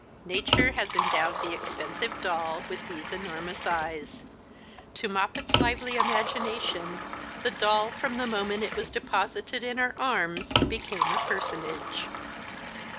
Nature has endowed the expensive doll with these enormous eyes. To Moppet's lively imagination the doll, from the moment it was deposited in her arms, became a personage.